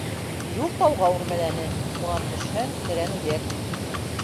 Юл тауға үрмәләне, унан төшһәң - Тәрән үҙәк.